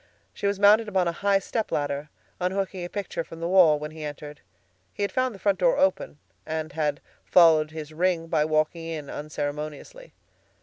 She was mounted upon a high stepladder, unhooking a picture from the wall when he entered. He had found the front door open, and had followed his ring by walking in unceremoniously.